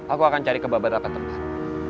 aku akan cari ke beberapa tempat